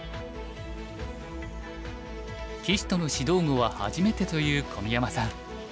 棋士との指導碁は初めてという小宮山さん。